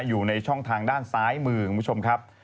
อยู่ในช่องทางด้านซ้ายมือคุณผู้ชมครับ